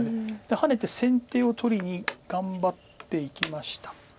ハネて先手を取りに頑張っていきました。